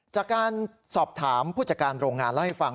จากการสอบถามผู้จัดการโรงงานเล่าให้ฟัง